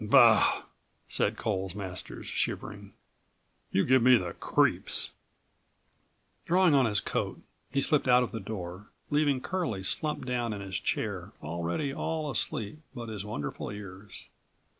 "Bah!" said Coles Masters, shivering, "you give me the creeps." Drawing on his coat, he slipped out of the door, leaving Curlie slumped down in his chair already all asleep but his wonderful ears.